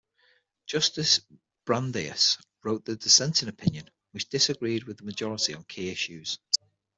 Justice Brandeis wrote the dissenting opinion, which disagreed with the majority on key issues.